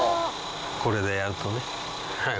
これでやるとね。